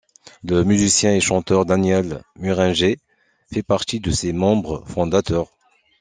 Le musicien et chanteur Daniel Muringer fait partie de ces membres fondateurs.